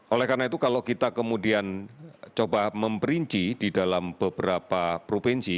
oleh karena itu kalau kita kemudian coba memperinci di dalam beberapa provinsi